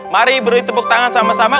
mari beri tepuk tangan sama sama